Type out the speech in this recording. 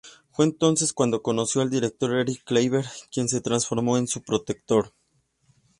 Fue entonces cuando conoció al director Erich Kleiber, quien se transformó en su protector.